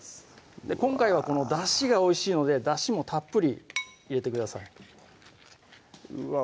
今回はこのだしがおいしいのでだしもたっぷり入れてくださいうわ